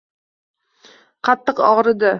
Qattiq og‘ridi.